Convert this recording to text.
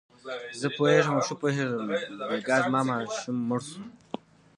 زه پوهېږم او ښه پوهېږم، بېګا زما ماشوم مړ شو.